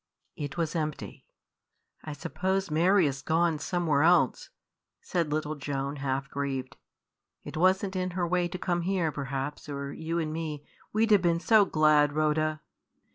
It was empty. "I suppose Mary is gone somewhere else," said little Joan, half grieved; "it was n't in her way to come here, p'rhaps, or you and me we'd have been so glad, Rhoda!"